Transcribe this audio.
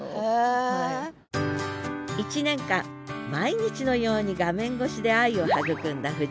１年間毎日のように画面越しで愛を育んだ藤井さん。